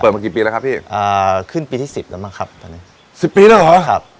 มากี่ปีแล้วครับพี่อ่าขึ้นปีที่สิบแล้วมั้งครับตอนนี้สิบปีแล้วเหรอครับ